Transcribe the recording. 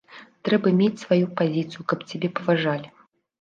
Трэба мець сваю пазіцыю, каб цябе паважалі.